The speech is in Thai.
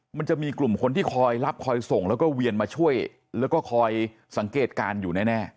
มันจะมีกลุ่มคนที่คอยรับคอยส่งแล้วก็เวียนมาช่วยแล้วก็คอยสังเกตการณ์อยู่แน่